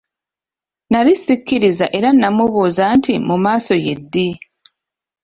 Nali sikikiriza era naamubuuza nti mu maaso ye ddi?